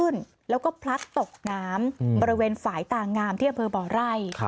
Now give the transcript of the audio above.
แล้วก็พลัดตกน้ำบริเวณฝ่ายตางามที่อำเภอบ่อไร่